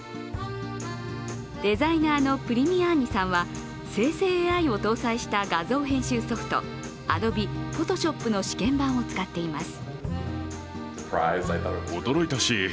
デザイナーのプリミアーニさんは、生成ＡＩを搭載した画像編集ソフト、アドビ・フォトショップの試験版を使っています。